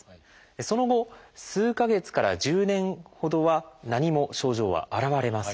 その後数か月から１０年ほどは何も症状は現れません。